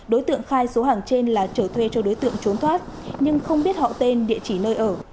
đối tượng khai số hàng trên là trở thuê cho đối tượng trốn thoát nhưng không biết họ tên địa chỉ nơi ở